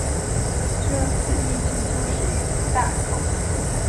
这次疫情就是一次大考